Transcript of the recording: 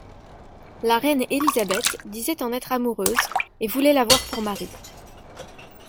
La reine Élisabeth disait en être amoureuse et voulait l'avoir pour mari.